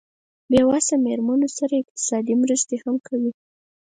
بې وسه مېرمنو سره اقتصادي مرستې هم کوي.